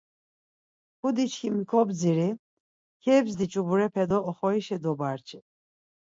Kudi çkimi kobdziri, kebzdi ç̌uburepe do oxorişa dobarçi.